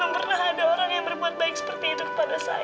pernah ada orang yang berbuat baik seperti itu kepada saya